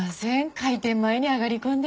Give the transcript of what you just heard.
開店前に上がり込んで。